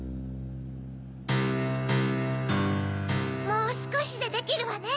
もうすこしでできるわね。